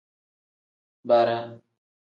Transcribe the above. Bara.